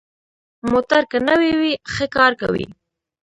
موټر که نوي وي، ښه کار کوي.